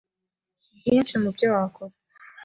Byinshi mu byo wakora